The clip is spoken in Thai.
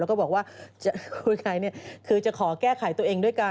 แล้วก็บอกว่าคุณชัยคือจะขอแก้ไขตัวเองด้วยกัน